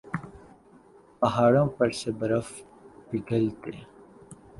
پہاڑوں پر سے برف پگھلتے